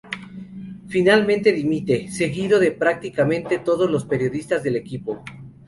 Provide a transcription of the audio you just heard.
Finalmente dimite, seguido de prácticamente todos los periodistas del equipo.